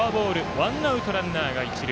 ワンアウト、ランナーが一塁。